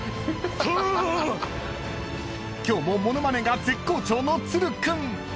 ［今日も物まねが絶好調の都留君］